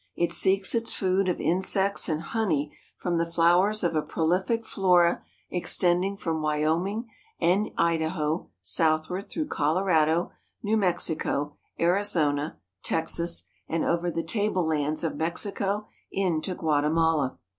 It seeks its food of insects and honey from the flowers of a prolific flora extending from Wyoming and Idaho southward through Colorado, New Mexico, Arizona, Texas and over the table lands of Mexico into Guatemala.